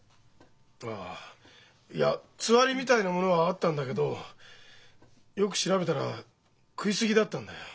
ああいやつわりみたいなものはあったんだけどよく調べたら食い過ぎだったんだよ。